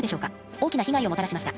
大きな被害をもたらしました。